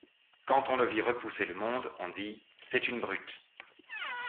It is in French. Quand on le vit repousser le monde, on dit : c’est une brute.